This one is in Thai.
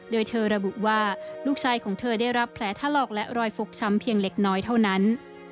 โดยเธอระบุว่าลูกชายของเธอได้รับแผลถลอกและรอยฟกช้ำเพียงเล็กน้อยเท่านั้น